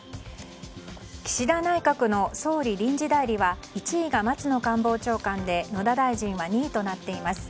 岸田内閣の総理臨時代理は１位が松野官房長官で野田大臣は２位となっています。